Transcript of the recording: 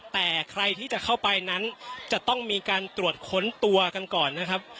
แต่ใครที่จะเข้าไปนั้นจะต้องมีการตรวจค้นตัวกันก่อนนะครับ